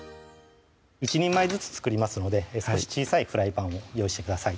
１人前ずつ作りますので少し小さいフライパンを用意してください